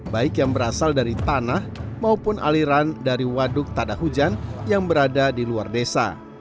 baik yang berasal dari tanah maupun aliran dari waduk tada hujan yang berada di luar desa